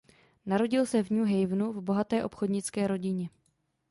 Narodil se v New Havenu v bohaté obchodnické rodině.